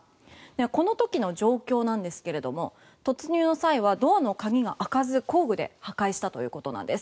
この時の状況なんですけれども突入の際はドアの鍵が開かず工具で破壊したということです。